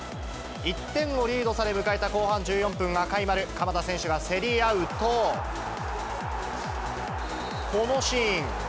１点をリードされ、迎えた後半１４分、赤い丸、鎌田選手が競り合うと、このシーン。